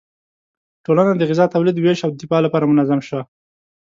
ټولنه د غذا تولید، ویش او دفاع لپاره منظم شوه.